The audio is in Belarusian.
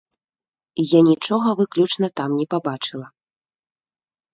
Я нічога выключна там не пабачыла.